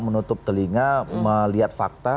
menutup telinga melihat fakta